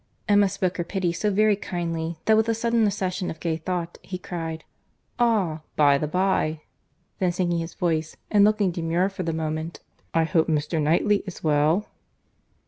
Emma spoke her pity so very kindly, that with a sudden accession of gay thought, he cried, "Ah! by the bye," then sinking his voice, and looking demure for the moment—"I hope Mr. Knightley is well?"